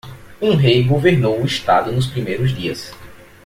Um rei governou o estado nos primeiros dias.